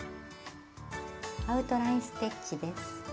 「アウトライン・ステッチ」です。